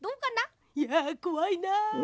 いやこわいな。